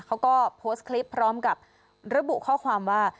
เขาก็โพสต์คลิปพร้อมกับระบุข้อความว่า